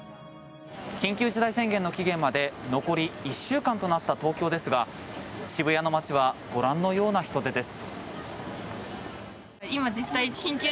緊急事態宣言の期限まで残り１週間となった東京ですが渋谷の街はご覧のような人出です。